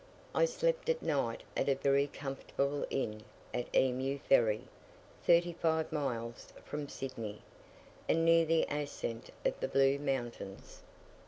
I slept at night at a very comfortable inn at Emu ferry, thirty five miles from Sydney, and near the ascent of the Blue Mountains.